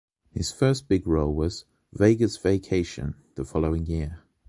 His first big role was “Vegas Vacation”, the following year.